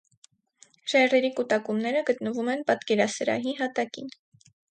Ժայռերի կուտակումները գտնվում են պատկերասրահի հատակին։